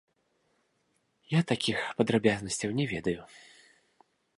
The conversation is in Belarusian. Я такіх падрабязнасцяў не ведаю.